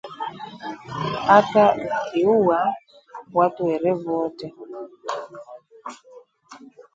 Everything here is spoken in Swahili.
hata ukiua watu werevu wote